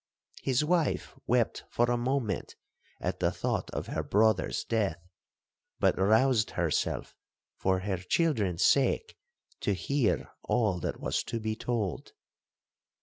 His wife wept for a moment at the thought of her brother's death, but roused herself for her children's sake to hear all that was to be told.